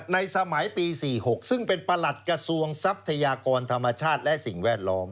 ในสมัยปี๔๖ซึ่งเป็นประหลัดกระทรวงทรัพยากรธรรมชาติและสิ่งแวดล้อม